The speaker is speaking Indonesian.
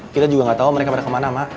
kita juga ga tau mereka pada kemana mak